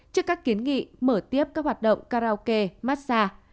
trước các kiến nghị mở tiếp các hoạt động karaoke massage